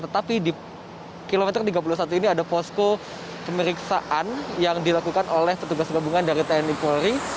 tetapi di kilometer tiga puluh satu ini ada posko pemeriksaan yang dilakukan oleh petugas gabungan dari tni polri